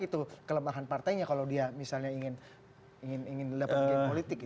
itu kelemahan partainya kalau dia misalnya ingin dapat bagian politik